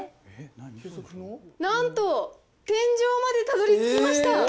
なんと、天井までたどりつきました。